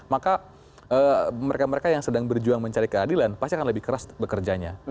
maka mereka mereka yang sedang berjuang mencari keadilan pasti akan lebih keras bekerjanya